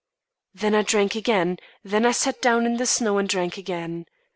Then I drank again; then I sat down in the snow and drank again.